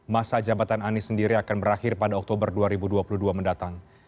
masa jabatan anies sendiri akan berakhir pada oktober dua ribu dua puluh dua mendatang